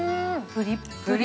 プリップリ。